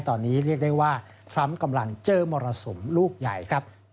ตอนนี้เรียกได้ว่าทรัมป์กำลังเจอมรสุมลูกใหญ่ครับ